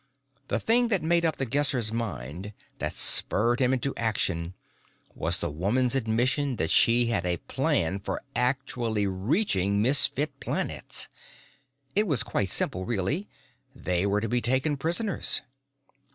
The thing that made up The Guesser's mind, that spurred him into action, was the woman's admission that she had a plan for actually reaching Misfit planets. It was quite simple, really; they were to be taken prisoners.